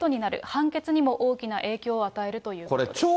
判決にも大きな影響を与えるということです。